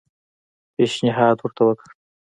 پېشنهاد ورته وکړ.